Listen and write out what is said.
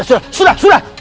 sudah sudah sudah